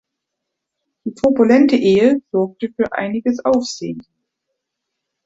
Die turbulente Ehe sorgte für einiges Aufsehen.